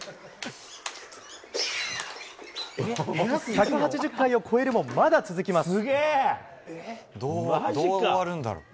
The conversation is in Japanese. １８０回を超えるもまだ続きます。